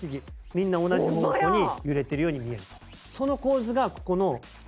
みんな同じ方向に揺れてるように見えると。